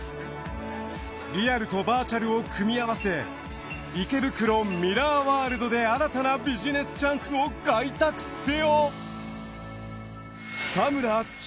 リアルとバーチャルを組み合わせ池袋ミラーワールドで新たなビジネスチャンスを開拓せよ。